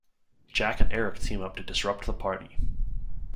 Jack and Eric team up to disrupt the party.